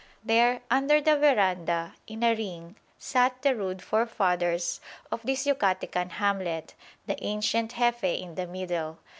There under the verandah in a ring sat the "rude forefathers" of this Yucatecan hamlet, the ancient Jefe in the middle.